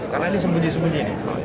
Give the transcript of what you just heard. karena ini sembunyi sembunyi